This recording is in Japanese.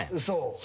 そう。